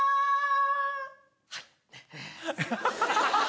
はい。